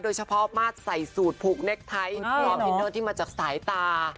โดยเฉพาะมาสใส่สูตรผูกเน็กไทยพร้อมอินเนอร์ที่มาจากสายตา